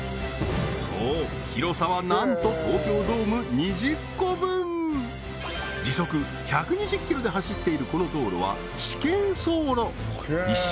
そう広さはなんと時速１２０ｋｍで走っているこの道路は試験走路１周